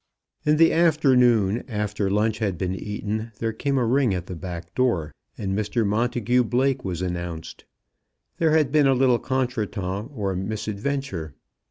In the afternoon, after lunch had been eaten, there came a ring at the back door, and Mr Montagu Blake was announced. There had been a little contretemps or misadventure.